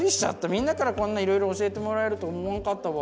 みんなからこんないろいろ教えてもらえると思わんかったわ。